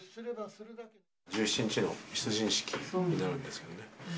１７日の出陣式なんですよね。